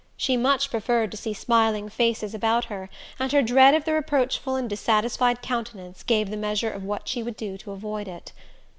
She much preferred to see smiling faces about her, and her dread of the reproachful and dissatisfied countenance gave the measure of what she would do to avoid it.